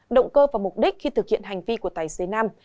động cơ và mục đích khi thực hiện hành vi của tài xế nam